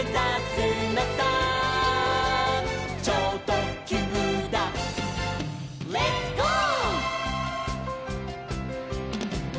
「ちょうとっきゅうだレッツ・ゴー！」